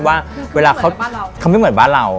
เค้าไม่เหมือนบ้านเรา